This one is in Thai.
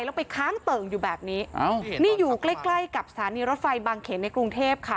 แล้วไปค้างเติ่งอยู่แบบนี้นี่อยู่ใกล้ใกล้กับสถานีรถไฟบางเขนในกรุงเทพค่ะ